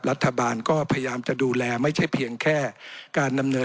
รัฐบาลก็พยายามจะดูแลไม่ใช่เพียงแค่การดำเนิน